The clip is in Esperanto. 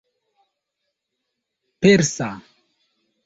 persa